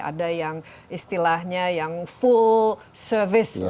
ada yang istilahnya yang full service lah